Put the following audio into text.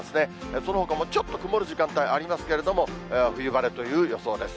そのほかもちょっと曇る時間帯ありますけれども、冬晴れという予想です。